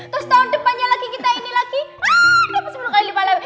terus tahun depannya lagi kita ini lagi dapat sepuluh kali lipat lagi